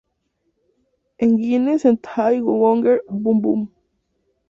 Engine Sentai Go-onger: Boom Boom!